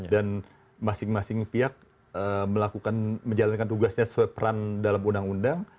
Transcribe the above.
dan masing masing pihak melakukan menjalankan tugasnya sesuai peran dalam undang undang